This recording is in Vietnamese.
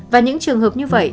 và những trường hợp như vậy